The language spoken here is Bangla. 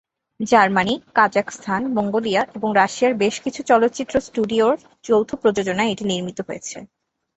জার্মানি, কাজাখস্তান, মঙ্গোলিয়া এবং রাশিয়ার বেশ কিছু চলচ্চিত্র স্টুডিওর যৌথ প্রযোজনায় এটি নির্মীত হয়েছে।